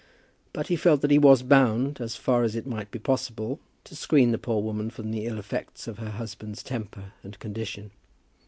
But he felt that he was bound, as far as it might be possible, to screen the poor woman from the ill effects of her husband's temper and condition.